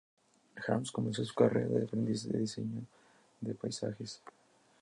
Harms comenzó su carrera como aprendiz de diseño de paisajes.